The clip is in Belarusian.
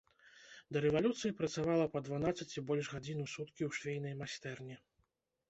Да рэвалюцыі працавала па дванаццаць і больш гадзін у суткі ў швейнай майстэрні.